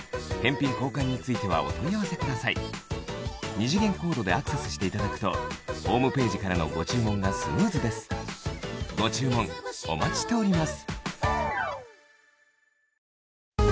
二次元コードでアクセスしていただくとホームページからのご注文がスムーズですご注文お待ちしております